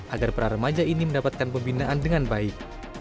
agar para remaja ini mendapatkan pembinaan dengan baik